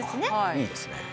いいですね。